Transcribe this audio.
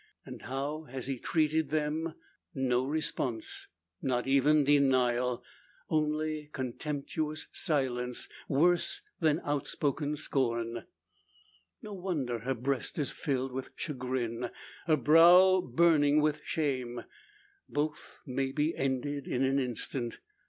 And how has he treated them? No response not even denial! Only contemptuous silence, worse than outspoken scorn! No wonder her breast is filled with chagrin, and her brow burning with shame! Both may be ended in an instant.